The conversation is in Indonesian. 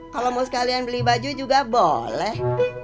kalau mau sekalian beli baju juga boleh